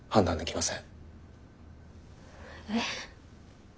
えっ？